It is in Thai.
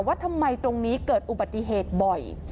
ว่าทำไมตรงนี้เกิดอุบัติเหตุบ่อย